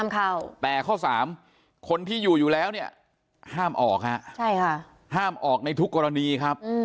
แต่ข้อสามคนที่อยู่อยู่แล้วห้ามออกในทุกกรณีครับ